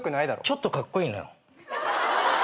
ちょっとカッコイイのよ。